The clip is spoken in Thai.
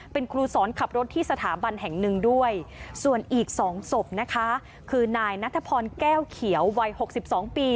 เป็นครูสอนขับรถที่สถาบันแห่งหนึ่งด้วยส่วนอีก๒ศพนะคะคือนายนัทพรแก้วเขียววัย๖๒ปี